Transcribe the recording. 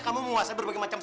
kok manta gak gini seh